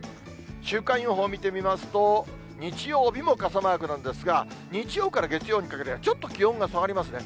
週間予報見てみますと、日曜日も傘マークなんですが、日曜から月曜にかけてはちょっと気温が下がりますね。